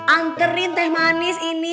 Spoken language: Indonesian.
angterin teh manis ini